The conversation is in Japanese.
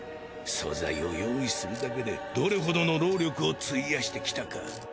素材を用意するだけでどれ程の労力を費やしてきたか。